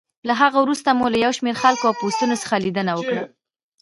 له هغه وروسته مو له یو شمېر خلکو او پوستو څخه لېدنه وکړه.